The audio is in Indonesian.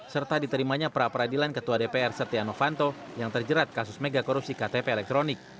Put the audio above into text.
serta diterimanya pra peradilan ketua dpr setia novanto yang terjerat kasus mega korupsi ktp elektronik